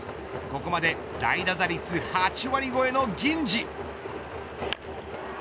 ここまで代打打率８割超えの銀次。